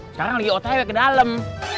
sekarang lagi otaknya ke dalam